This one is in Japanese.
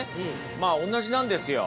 まあおんなじなんですよ。